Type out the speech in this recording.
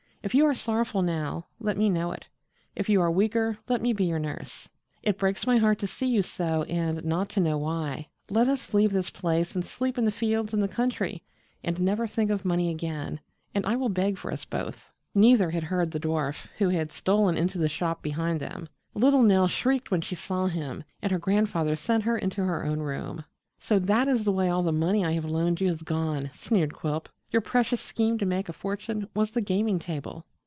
If you are sorrowful now, let me know it. If you are weaker, let me be your nurse. It breaks my heart to see you so and not to know why. Let us leave this place and sleep in the fields in the country and never think of money again, and I will beg for us both." Neither had heard the dwarf, who had stolen into the shop behind them. Little Nell shrieked when she saw him, and her grandfather sent her into her own room. "So that is the way all the money I have loaned you has gone!" sneered Quilp. "Your precious scheme to make a fortune was the gaming table!"